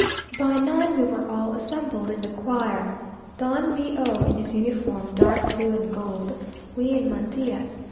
By nine we were all assembled in the choir; Don B o in his uniform, dark blue and gold, we in mantillas.